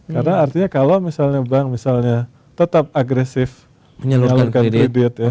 karena artinya kalau misalnya bank misalnya tetap agresif menyalurkan kredit ya